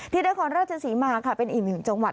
ที่นครราชยศรีมาเป็นอีกหนึ่งจังหวัด